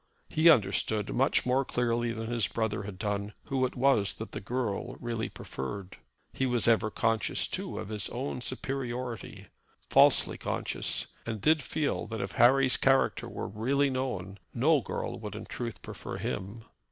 He understood much more clearly than his brother had done who it was that the girl really preferred. He was ever conscious, too, of his own superiority, falsely conscious, and did feel that if Harry's character were really known, no girl would in truth prefer him.